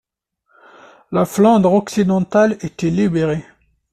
La Flandre Occidentale était libérée.